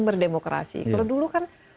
berdemokrasi kalau dulu kan